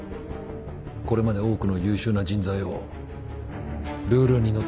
これまで多くの優秀な人材をルールにのっとり処分してきた。